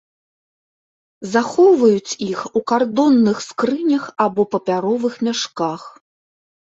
Захоўваюць іх у кардонных скрынях або папяровых мяшках.